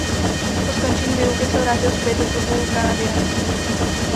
Po skončení výluky se vrátil zpět do klubu Canadiens.